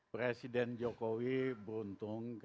presiden jokowi beruntung